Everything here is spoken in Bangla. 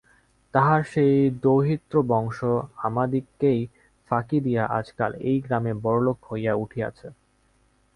তাঁহার সেই দৌহিত্রবংশ আমাদিগকেই ফাঁকি দিয়া আজকাল এই গ্রামে বড়োলোক হইয়া উঠিয়াছে।